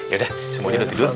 ya udah semuanya udah tidur